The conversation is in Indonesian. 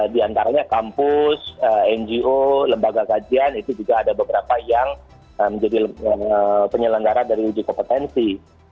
di antaranya kampus ngo lembaga kajian itu juga ada beberapa yang menjadi penyelenggara dari uji kompetensi